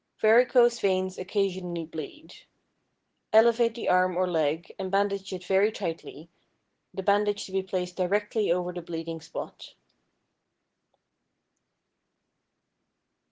Varicose veins occasionally bleed. Elevate the arm or leg and bandage it very tightly, the bandage to be placed directly over the bleeding spot.